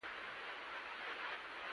هېواد زموږ دیني ارزښتونه لري